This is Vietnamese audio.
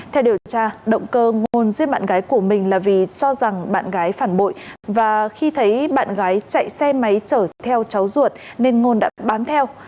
theo điều tra động cơ ngôn dưới bạn gái của mình là vì cho rằng bạn gái phản bội và khi thấy bạn gái chạy xe máy chở theo cháu ruột nên ngôn đã bám theo